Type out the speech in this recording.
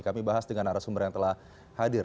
kami bahas dengan arah sumber yang telah hadir